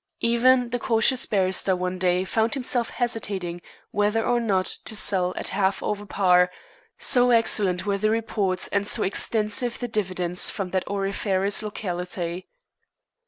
Even the cautious barrister one day found himself hesitating whether or not to sell at half over par, so excellent were the reports and so extensive the dividends from that auriferous locality.